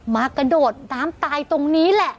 กระโดดน้ำตายตรงนี้แหละ